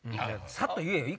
さっと言えよ！